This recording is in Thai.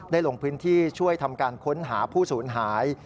ลงพื้นที่ช่วยทำการค้นหาผู้สูญหาย